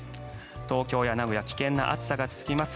東京や名古屋危険な暑さが続きます。